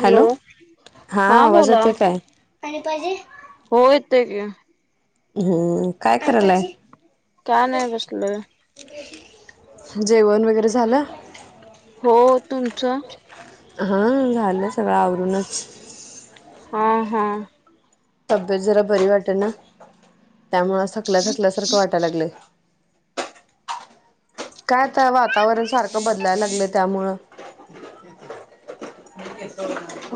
Hello, हां हा आवाज बोला येतोय काय? पाणी पाहिजे? हो येतंय की. हंम्म, काय करायलाय? काय नाही बसलोय. जेवण वगैरे झालं? हो, तुमचं? हां, झालं सगळं आवरूनच. हां, हां. तब्येत जरा बरी वाटेल ना. त्यामुळं थकल्या-थकल्यासारखं वाटायला लागलंय. काय तर, वातावरण सारखं बदलायला लागलं त्यामुळं.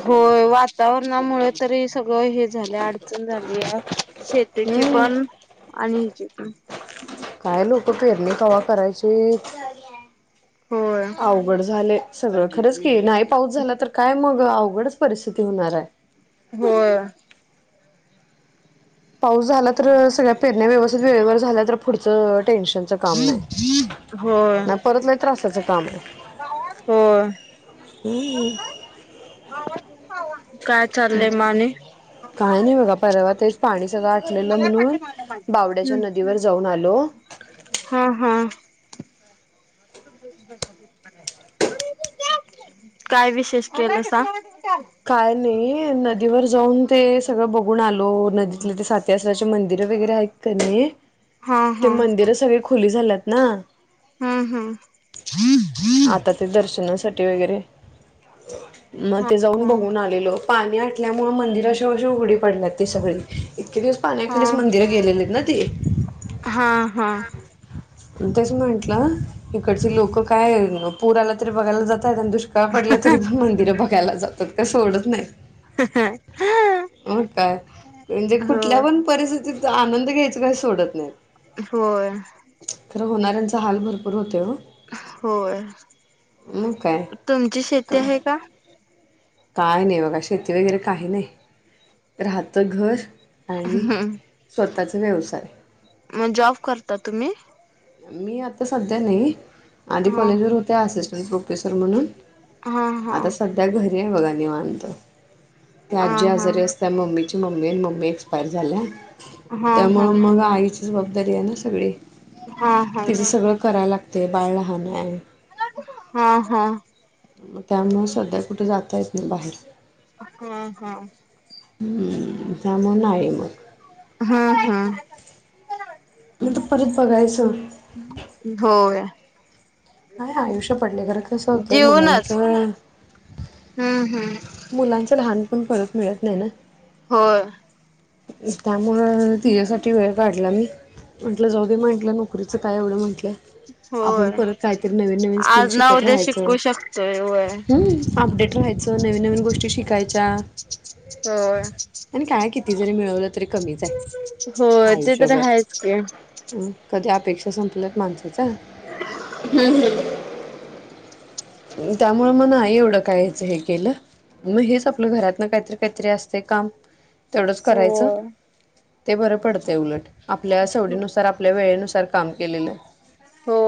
होय, वातावरणामुळे तरी सगळं हे. झालंय, अड झालीया, शेतीची हम्म पण आणिनज [unintelligible] काय लोक पेरणी कवा करायची? होय अवघड झालंय. सगळं खरंच की नाही पाऊस झाला तर काय मग? अवघडच परिस्थिती होणार आहे. होय. पाऊस झाला तर सगळ्या पेरण्या व्यवस्थित वेळेवर झाल्या तर पुढचं. टेन्शनचं काम नाही, होय अन परत असा असाय. काम. होय. काय चाललंय म आणि काही नाही बघा, परवा तेच पाणी सगळं ले म्हणून बावड्याच्या नदीवर जाऊन आलो. ह काय विशेष केलसा? काय नाही. नदीवर जाऊन ते सगळं बघून आलो, नदी तिथं सातीआसराची मंदिर वगैरे हाइत क नाई हा ते हा मंदिर सगळी खू खुली झालात ना? हू हू. पटे वगैरे मग जाऊन हा बघून आलेलो. पाणी आटल्यामुळे मंदिर आशी उघडी पडल्या तशी पणं. इतके दिवस हा पाण्याखालीच मंदिर गेलेलेत ना? [inaudible] हा, हा. तेच म्हंटलं, इकडचे लोक काय पूराला तरी बघायला जात त्यात आणि दुष्काळ पडला तरी पणं मंदिरं बघायला जात ते सोडत नाहीत, हा मंग काय म्हणजे कुठल्या हो पण परी तिथ आनंद घ्यायचं काही सोडत नाहीत. होय. तर हाल भरपूर होतंय हो होय, मग काय तुमची शेती हाय का? काय नाही बघा, शेती वगैरे काही नाही, राहतं घर आणि हम्म, स्वतःचा व्यवसाय मग जॉब करता तुम्ही? मी आता सध्या नाही. आधी हा कॉलेजवर होते असिस्ट प्रोफेसर म्हणून हा हा आता सध्या घरी हाय बघा. निवांत. त्या हा आज्जी आजारी हा असताना मम्मीची मम्मे न मला एक्सपायर झाल्या, हा हा त्यामुळे मग आईची जबाबदारी हाय ना. सगळी. हा हा तिचं सगळं करायला लाग - - तयं बाळ लहान हाय. हा मग त्यामुळ सध्या कुठे जा तायेत नाही बाहेर - - हा हा. हं त्यामुळे नाही मग. हा हा. नंतर परत बघायचं. होय. हाय आयुष्य पडलंय खरं कसं होतय जीवनच मुलांचं - हम्म हम्म - मुलांचं लहान पण परत मिळत नाही ना? होय. त्यामुळं तिझ्यासाठी वेळ काढला मी म्हंटलं जाऊदे म्हटलं नोकरीच काय एवढं म्हंटलं. होय. स्किल आज न शिकत उद्या राहायचं शिकू शकतोय होय. तर नवीन नवीन गोष्टी शिकायच्या. होय ती जरी मिळवलं तरी कमीच आहे होय ते तर आयुष्यभर हायच की हम्म कधी अपेक्षा संपल्यात माणसाच्या हम्म हम् त्यामुळे मग नाही एवढं कायच हे केलं मग हेच आपलं घरातन काहीतरी काहीतरी असतंय काम तेवढंच करायचं होय ते बरं पडतंय उलट आपल्या सवडीनुसार आपल्या वेळेनुसार काम केलेलं. हो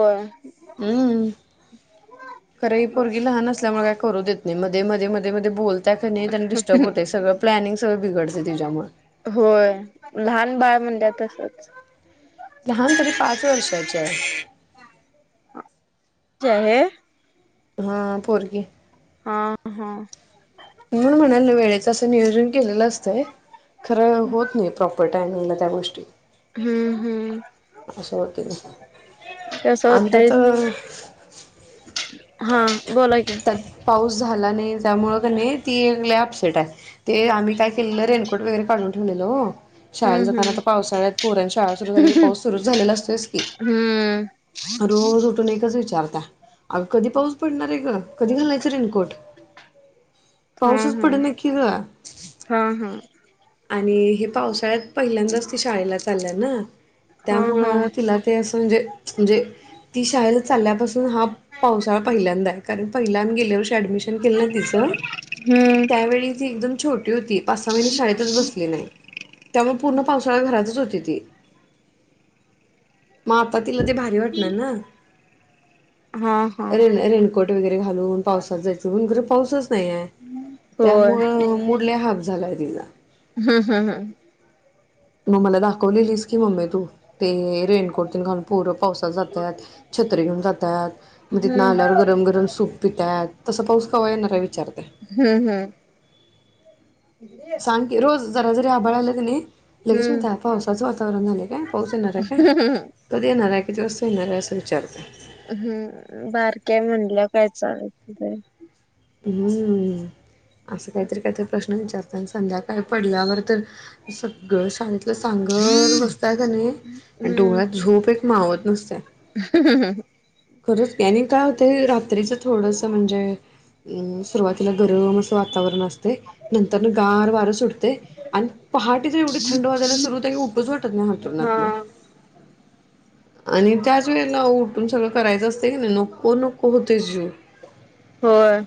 हम्म खरं ही पोरगी लहान असल्यामुळे काही करू देत नाही मध्ये मध्ये मध्ये मध्ये बोल त्या [inaudible] डस्टर्ब होतंय सगळं प्लानिंग सगळं बिघडतंय तिच्यामुळे होय लहान बाळ म्हणल्यावर तसच लहान तरी पाच वर्षाची हाय [inaudible] हा पोरगी ह ह म्हणून म्हणाल ना वेळेचं असं नियोजन केलेलं असतंय खरं होत नाही प्रॉपर टाइमिंगला त्या गोष्टी हम्म हम्म असं होतंय कसं ना होते [unintelligible] हां त्यात पाऊस झाला नाही त्यामुळं कि नाय ती लय अपसेट हाय ते आम्ही काय केलेलं रेनकोट वगैरे काढून ठेवलेलं हो शाळंला हम्म जाताना आता पावसाळ्यात पोरांची शाळा सुरू झाली की पाऊस सुरूच झालेला असतोयस की, हम्म रोज उठून एकच विचारता, अगं कधी पाऊस पडणार आहे ग? कधी घालायचा रेनकोट? पाऊसच पडे ना की गं. हां हां आणि हे पावसाळ्यात, पहिल्यांदाच ते शाळेला चाललाय नां. हा हा हा त्यामुळं तिला ते असं म्हणजे म्हणजे ती शाळेला चालल्यापासून, हा पावसाळा पहिल्यांदा आहे कारण पहिल्यान गेल्या वर्षी ॲडमिशन केलं ना तिचं हम्म त्यावेळी ते एकदम छोटी होती, पाच सहा महिने शाळेतच बसली नाही, त्यामुळे पूर्ण पावसाळा घरातच होती ती. मग आता तिला ते भारी वाटणार ना‌? हां हांं ते घालून पावसात जायच, पण इकडे पाऊसच नाही आहे. [unintelligible] होय त्यामुळं मुडल्या हा [unintelligible] झालाय दिला हम् हम् हम तू मला दाखवलेलीस की मम्मी तू, ते रेनकोट घालून पोरं पावसात जात्यात, छत्री घेऊन जातात. मग तिथन हम्म आल्यावर गरम गरम सूप पित्यात, तसं पाऊस कवा येणार आहे विचारते. हं हं सांग की रोज जरा जरी आभळ आलं की नाही लगेच म [unintelligible] हम्म त्या पावसाच वा [unintelligible] तरना [unintelligible] का पाऊस येणार आहे काय, हम्म कधी येणार आहे? [unintelligible] येणार आहे असं विचारते हम्म बारक्या म्हणलं काय चाल [unintelligible] तिथं? हम्म, असं काहीतरी काहीतरी प्रश्न विचारताय आणि संध्याकाळी पडल्यावर तर सगळं शांत. ते सांगत बसताय का नाही, डोळ्यात झोप एक मावत नुस्ता हं हं [unintelligible] खरंच की आणि काय होतंय, रात्रीच थोडसं म्हणजे, अं सुरुवातीला गरम असं वातावरण असतंय, नंतर नं गार वार सुटतंय आणि पहाटेचं एवढं थंड वाजायला सुरु होतय की उपज [unintelligible] [unintelligible] हा हंत्रुणातनं आणि त्याच वेळेला उठून सगळं करायचं असते की नाही, नको नको होतय जीव होय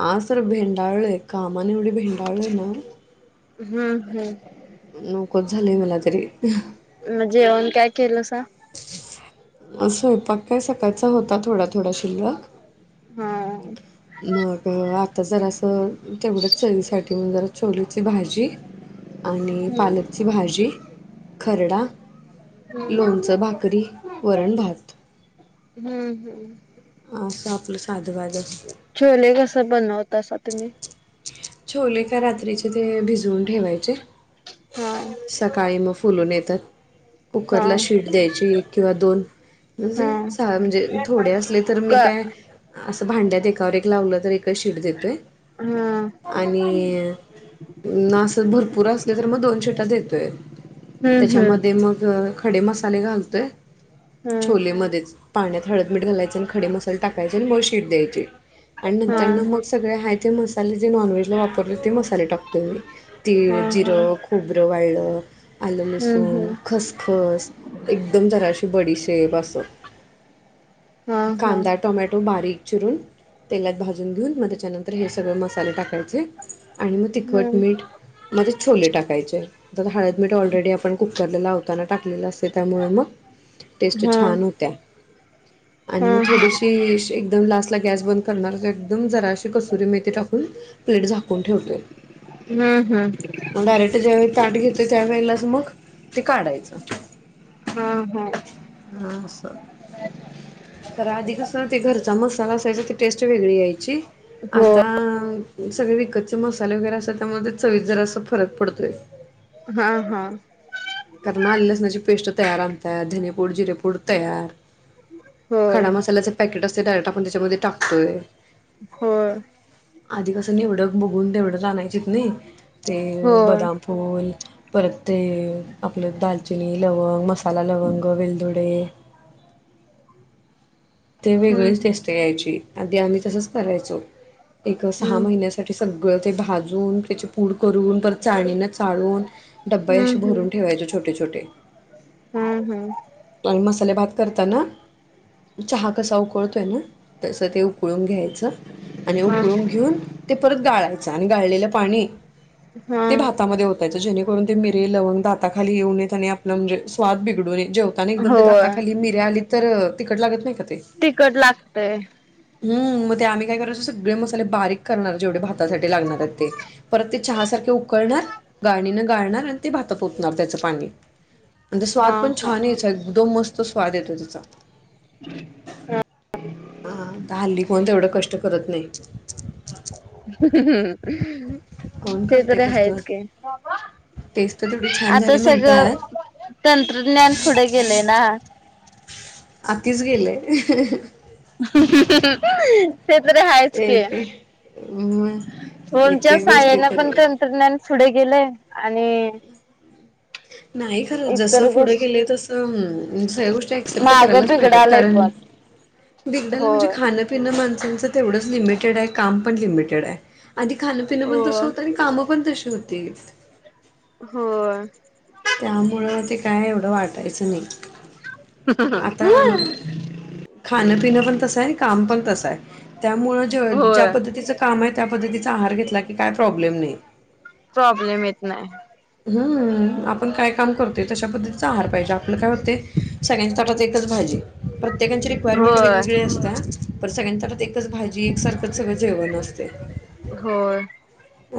हां सर भेंडाळय, कामानं एवढी भेंडाळय ना हं हम्म नकोच झालय मला तरी, [unintelligible] मं जेवन काय केलं सा? स्वयंपाक काय सकाळचा होता थोडा थोडा शिल्लक. हा मग आता जरासं तेवढं चवीसाठी जरा छोलेची भाजी आणि हम्म पालकची भाजी खरडा हम्म लोण भाकरी वरण भात. हम्म हम्म अ स आपलं साद बाद छोले कस बनवतासा तुम्ही? छोले का रात्रीचे ते भिजवून ठेवायचे हा सकाळी मग फुलून येतात हा कुकरला शीट द्यायची एक किंवा दोन म्हज हा म्हणजे थोडे असले तर मी का काय? असं भांड्यात एकावर एक लावलं तर एकच शीट देतोय. हा आणि न असं भरपूर असल तर मग दोन शीटा देतोय. हम्म त्याच्यामध्ये हम्म मग खडे मसाले घालतोय हम्म छोले मध्येच पाण्यात हळद मीठ घालायच आणि खडे मसाले टाकायचे आणि मग शिट द्यायची. आणि हा नंतर न मग सगळे हाय ते मसाले जे नॉन व्हेजला वापरतोय ते मसाले टाकतो मी. हा तीळ हा जिरं खोबरं वाळलं आलं हम्म लसूण हम्म खसखस एकदम जराशी बडीशेप असं. हा हा कांदा टोमॅटो बारीक चिरून तेलात भाजून घेऊन मग त्याच्यानंतर हे सगळें मसाले टाकायचे. आणि मग तिखट हम्म मीठ लगेच छोले टाकायचे तर हळद मीठ ऑलरेडी आपण कुकरला लावताना टाकलेलं असतय त्यामुळं मग टेस्ट हा छान होत्या. आणि हा मग हा थोडीशी एकदम लास्ट ला गॅस बंद करणार तर एकदम जराशी कसुरी मेथी टाकून प्लेट झाकून ठेवतोय. हम्म मग डायरेक्ट ज्यावेळी हम्म. ताट घेतोय त्या वेळेलाच मग ते काढायचं. हा हा. हा अस तर आधी कस ते घरचा मसाला असायचा. ते टेस्ट वेगळी यायची हो आता सगळे विकतचे मसाले वगैरे असात त्यामध्ये चवीत जरासा फरक पडतोय. हा हा. कारण आल लसणाची पेस्ट तयार आणत्यात. धनेपूड जिरेपूड तयार होय खडा मसाल्याचे पॅकेट असतय. डायरेक्ट आपण त्याच्यामध्ये टाकतोय. होय आधी कसं निवड बघून तेवडं आणायचीत नाही. ते होय बदाम पूल परत ते आपलं दालचिनी लवंग मसाला लवंग वेलदुडे ते हम्म वेगळीच टेस्ट या्यायची आधी आम्ही तसंच करायचो. एक सहा हम्म महिन्यासाठी सग् सगळं ते भाजून त्याची पूड करून परत चाळणीन चाळून डब्बा हम्म असे भरून ठेवायचे छोटे छोटे हम्म हम्म मसाले भात करताना. चहा कसा उकळतोय ना तसं ते उकळून घ्यायचं. आणि उकळून हम्म घेऊन ते परत गाळायचं. आणि गाळलेलं पाणी हा ते भातामध्ये होतायचं. जेणेकरून ते मिरी लवंग दाताखाली येऊनेत आणि आपलं म्हणजे स्वाद बिघडू नयेत. जेवताना हा एकदम ते दाता होय खाली मिर्या आली तर तिकट ला नाही का [unintelligible] तिकट लागतय. हम् मग ते आम्ही काय करणार सगळे मसाले बारीक करणार जेवढे भातासाठी लागणार आहेत ते परत ते चहा सारखे उकळणार गाळणीने गाळणार आणि ते भात फोतणार त्याचं पाणी. आणि हा स्वाद पण हा छान यायचा एकदम मस्त. तो स्वाद येतो तेचा. हा हल्ली कोण ते एवढं कष्ट करत नाही. कोण ते करते तरी कष्ट हायच की टेस्ट तर तेवढी छान आता झाली सगळं म्हणतात तंत्रज्ञान पुढे गेलंय ना. आतीच गेलंय. ते तरी आहेच की. एक म. एक ओणच्या एक गोष्टी साहेनन तरी पण तंत्रज्ञान पुढे गेलेय. आणि. नाही खरं जसं इतर पुढं गेले गोष्ट तसं सगळ्या गोष्टी अऍक्सेप्ट माग करायलाच पाहिजात बिघडालय कारण पण. बिगडल म्हणजे होय. खाणपिणं माणसच. तेवढंच लिमिटेड आहे काम पण लिमिटेड आहे. आधी खांण पिंण पण तसं हो. होतं आणि काय. [unintelligible] तशी होतीत. होय. त्यामुळं ते काय. बरं वाटायचं नाही. आता खाण पिणं पण तसं आहे आणि काम पण तसं आहे त्यामु ज्या होय पद्धतीचं काम आहे. त्या पद्धतीचा आहार घेतला की काय प्रॉब्लेम नाही. प्रॉब्लेम येत नाही. हम्म आपण काय काम करतोय तशा पद्धतीचा आहार पाहिजे आपलं काय होते सगळ्यांच्या तटात एकच भाजी. प्रत्येकांची रिक्वायरमेंट होय वेगवेगळे असत्या. पण सगळ्यांंतत एकच भाजी एक सारखंच सगळं जेवण असतंय. होय.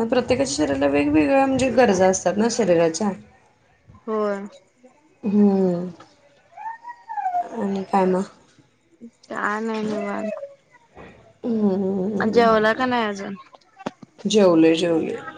प्रत्येकाच्या शरीराला वगवेगळ्या म्हणजे गरजा असतात. [unintelligible] शरीराच्या होय. हम्म आणि काय मग धन्यवाद. हम्म् नाही अजून? जेवले जेवले.